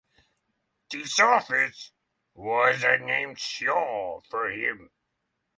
This office was name Shaw for him.